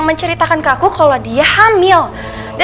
tenang dulu ya